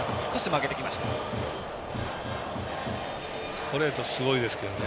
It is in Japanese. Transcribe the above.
ストレートすごいですけどね